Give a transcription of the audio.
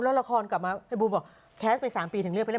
แล้วราคอนกลับมาบูมบอกแทสไปสามปีถึงเลือกไปเล่น